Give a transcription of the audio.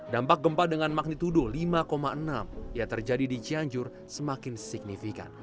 dampak gempa dengan magnitudo lima enam yang terjadi di cianjur semakin signifikan